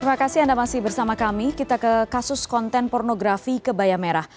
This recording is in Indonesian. terima kasih anda masih bersama kami kita ke kasus konten pornografi kebaya merah